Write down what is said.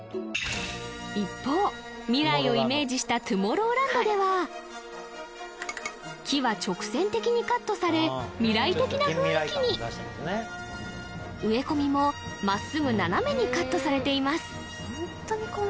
一方未来をイメージした木は直線的にカットされ未来的な雰囲気に植え込みも真っすぐ斜めにカットされています